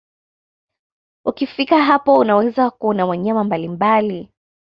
Ukifika hapo unaweza kuona wanyama mbalimbali